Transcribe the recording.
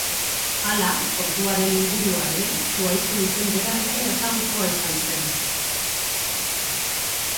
Hala, portuaren ingurua ere zuhaitzen izen berarekin ezagutua izan zen.